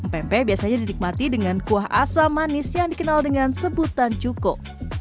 pempek biasanya didikmati dengan kuah asam manis yang dikenal dengan sebutan cukup